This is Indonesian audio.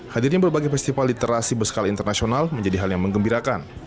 hadirnya berbagai festival literasi berskala internasional menjadi hal yang mengembirakan